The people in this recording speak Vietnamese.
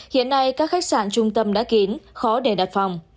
hiện nay các khách sạn trung tâm đã kín khó để đặt phòng